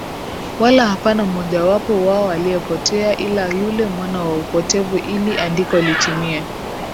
wala hapana mmoja wapo wao aliyepotea ila yule mwana wa upotevu ili andiko litimie